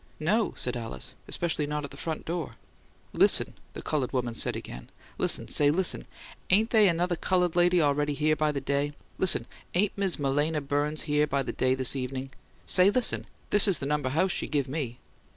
"No," said Alice. "Especially not at the front door." "Listen," the coloured woman said again. "Listen. Say, listen. Ain't they another coloured lady awready here by the day? Listen. Ain't Miz Malena Burns here by the day this evenin'? Say, listen. This the number house she give ME."